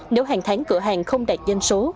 nếu hàng tháng cửa hàng không đạt danh số